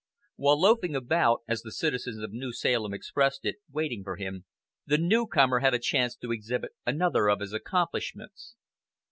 While "loafing about," as the citizens of New Salem expressed it, waiting for him, the newcomer had a chance to exhibit another of his accomplishments.